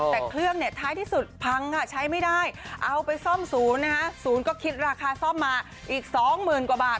แต่เครื่องเนี่ยท้ายที่สุดพังค่ะใช้ไม่ได้เอาไปซ่อมศูนย์นะฮะศูนย์ก็คิดราคาซ่อมมาอีก๒๐๐๐กว่าบาท